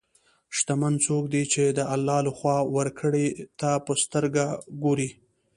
شتمن څوک دی چې د الله له خوا ورکړې ته په سترګو ګوري.